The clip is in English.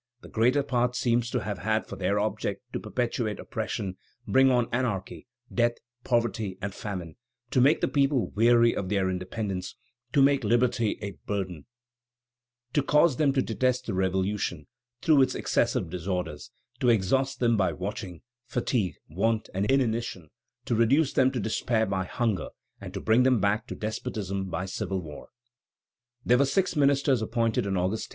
The greater part seem to have had for their object to perpetuate oppression, bring on anarchy, death, poverty, and famine; to make the people weary of their independence, to make liberty a burden, to cause them to detest the Revolution, through its excessive disorders, to exhaust them by watching, fatigue, want, and inanition, to reduce them to despair by hunger, and to bring them back to despotism by civil war." There were six ministers appointed on August 10.